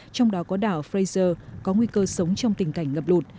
trong đó có đảo fraser có nguy cơ sống trong tình cảnh ngập lụt